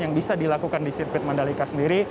yang bisa dilakukan di sirkuit mandalika sendiri